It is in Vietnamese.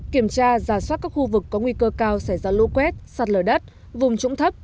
kiểm tra giả soát các khu vực có nguy cơ cao xảy ra lũ quét sạt lở đất vùng trũng thấp